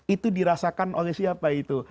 itu dirasakan oleh siapa itu